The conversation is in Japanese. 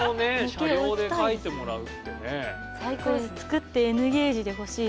車両で描いてもらうってねえ。